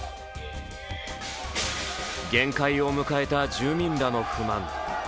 限界を迎えた住民らの不満。